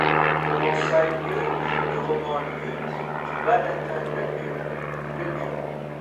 Provençal Lieuc, du roman Lhieuc, du bas latin Leucum, Lheucum.